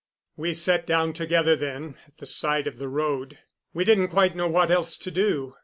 We sat down together then at the side of the road. We didn't quite know what else to do.